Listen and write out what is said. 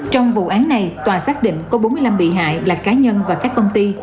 trong vụ án này tòa xác định có bốn mươi năm bị hại là cá nhân và các công ty